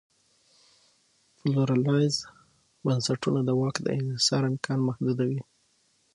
پلورالایز بنسټونه د واک دانحصار امکان محدودوي.